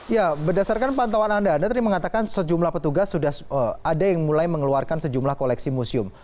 ya berdasarkan pantauan anda anda tadi mengatakan sejumlah petugas sudah ada yang mulai mengeluarkan sejumlah koleksi museum